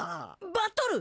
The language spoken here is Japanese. バトル？